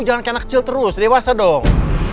jangan kayak anak kecil terus dewasa dong